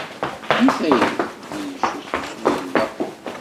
Deg tayri, win icukken, yerda.